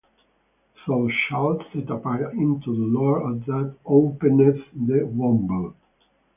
Thou shalt set apart unto the Lord all that openeth the womb.